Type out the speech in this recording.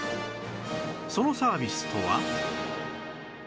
そのサービスとは